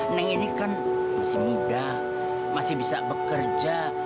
neng ini kan masih muda masih bisa bekerja